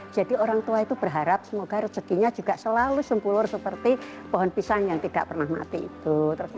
jadi orang tua itu berharap semoga rezekinya juga selalu sempulur seperti pohon pisang yang tidak pernah mati itu